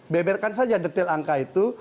beberkan saja detail angka itu